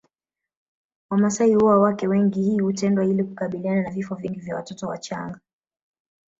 Wamasai huoa wake wengi hii hutendwa ili kukabiliana na vifo vingi vya watoto wachanga